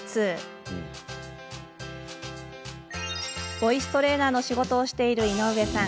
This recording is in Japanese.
ボイストレーナーの仕事をしている井上さん。